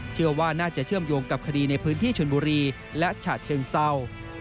เชื่อว่าน่าจะเชื่อมโยงกับคดีในพื้นที่ชนบุรีและฉะเชิงเศร้า